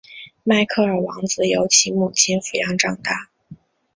迈克尔王子由其母亲抚养长大。